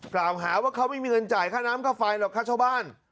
กล่าวหาว่าเขาไม่มีเงินจ่ายค่าน้ำค่าไฟหรอกค่าเช่าบ้าน